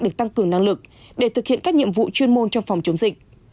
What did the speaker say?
được tăng cường năng lực để thực hiện các nhiệm vụ chuyên môn trong phòng chống dịch